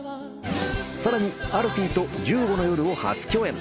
さらにＡＬＦＥＥと『１５の夜』を初共演。